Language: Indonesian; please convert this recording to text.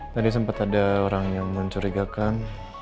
tadi sempat ada orang yang mencurigakan